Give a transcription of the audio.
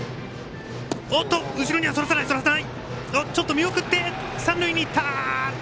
見送って、三塁に行った！